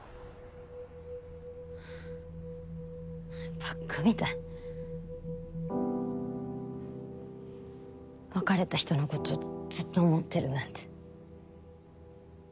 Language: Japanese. バッカみたい別れた人のことずっと思ってるなんて